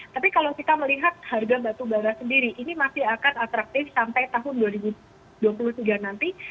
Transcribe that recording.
tapi kalau kita melihat harga batubara sendiri ini masih akan atraktif sampai tahun dua ribu dua puluh tiga nanti